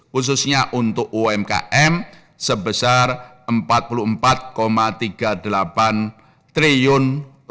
khususnya untuk umkm sebesar rp empat puluh empat tiga puluh delapan triliun